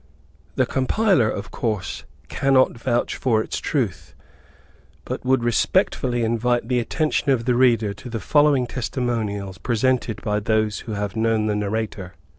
The compiler, of course, cannot vouch for its truth, but would respectfully invite the attention of the reader to the following testimonials presented by those who have known the narrator.